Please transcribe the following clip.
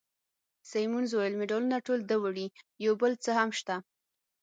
سیمونز وویل: مډالونه ټول ده وړي، یو بل څه هم شته.